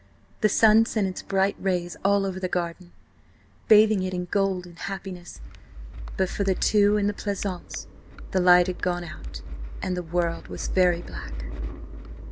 The sun sent its bright rays all over the garden, bathing it in gold and happiness; but for the two in the pleasaunce the light had gone out, and the world was very black.